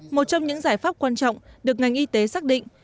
một trong những giải pháp quan trọng được ngành y tế xác định